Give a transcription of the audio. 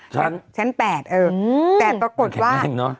ชั้น๘ชั้น๘เออแต่ปรากฏว่าแข็งแรงเนอะ